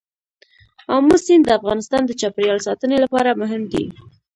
آمو سیند د افغانستان د چاپیریال ساتنې لپاره مهم دي.